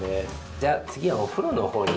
じゃあ次はお風呂のほうに。